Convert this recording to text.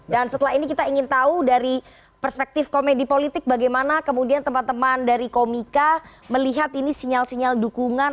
dan setelah ini kita ingin tahu dari perspektif komedi politik bagaimana kemudian teman teman dari komika melihat ini sinyal sinyal dukungan